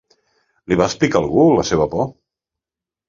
Li va explicar a algú la seva por?